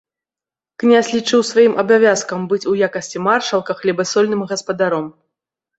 Князь лічыў сваім абавязкам быць у якасці маршалка хлебасольным гаспадаром.